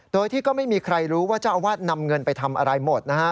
โดยที่ก็ไม่มีใครรู้ว่าเจ้าอาวาสนำเงินไปทำอะไรหมดนะฮะ